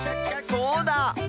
そうだ！